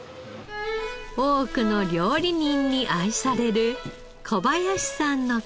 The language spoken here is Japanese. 多くの料理人に愛される小林さんのかぶ。